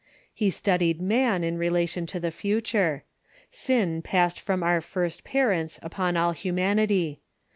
He studied man in relation to the future. Sin passed from our first parents upon all humanity.